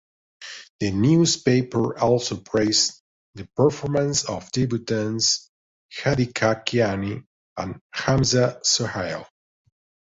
The newspaper also praised the performance of debutants Hadiqa Kiani and Hamza Sohail.